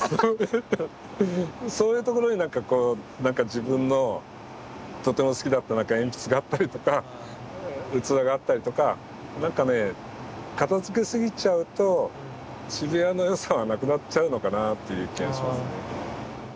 そういうところになんかこう自分のとても好きだった鉛筆があったりとか器があったりとかなんかね片づけすぎちゃうと渋谷のよさはなくなっちゃうのかなっていう気がしますね。